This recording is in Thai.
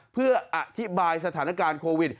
เพื่ออธิบายสถานการณ์โควิด